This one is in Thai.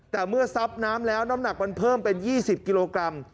แต่เมื่อซับน้ำแล้วน้ำหนักมันเพิ่มเป็น๒๐กิโลกรัม